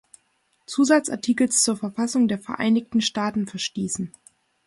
Zusatzartikels zur Verfassung der Vereinigten Staaten verstießen.